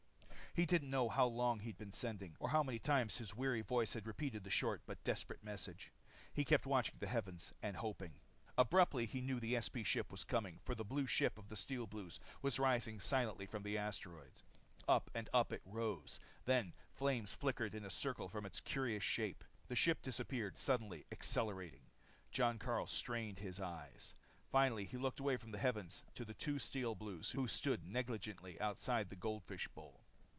He didn't know how long he'd been sending, nor how many times his weary voice had repeated the short but desperate message. He kept watching the heavens and hoping. Abruptly he knew the SP ship was coming, for the blue ship of the Steel Blues was rising silently from the asteroid. Up and up it rose, then flames flickered in a circle about its curious shape. The ship disappeared, suddenly accelerating. Jon Karyl strained his eyes. Finally he looked away from the heavens to the two Steel Blues who stood negligently outside the goldfish bowl.